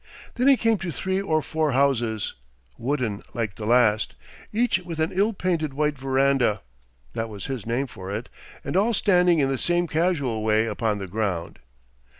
Then he came to three or four houses, wooden like the last, each with an ill painted white verandah (that was his name for it) and all standing in the same casual way upon the ground.